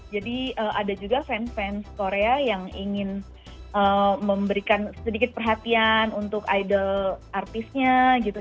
jadi ada juga fans fans korea yang ingin memberikan sedikit perhatian untuk idol artisnya gitu